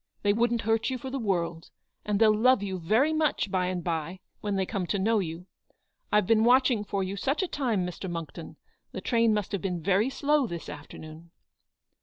They wouldn't hurt you for the world; and they'll love you very much by and by, when they come to know you. I've been watching for you such a time, Mr. Monckton. The train must have been very slow this after noon